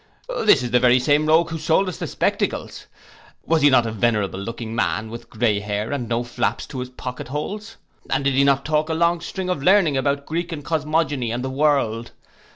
This is the very same rogue who sold us the spectacles. Was he not a venerable looking man, with grey hair, and no flaps to his pocket holes? And did he not talk a long string of learning about Greek and cosmogony, and the world?